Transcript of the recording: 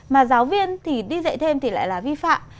mà giáo viên thì đi dạy thêm thì lại là vi phạm